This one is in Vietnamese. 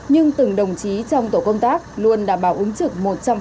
nhưng từng đồng chí trong tổ công tác luôn đảm bảo ứng trực một trăm linh